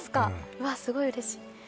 うわすごい嬉しい